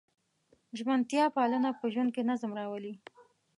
ژمنتیا پالنه په ژوند کې نظم راولي.